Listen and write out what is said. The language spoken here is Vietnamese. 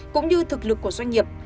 cũng như thực lực của doanh nghiệp